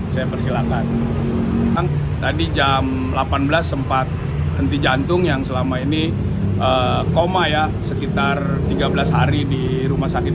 saya persilakan tadi jam delapan belas sempat henti jantung yang selama ini koma ya sekitar tiga belas hari di rumah sakit